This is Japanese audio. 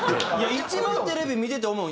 一番テレビ見てて思う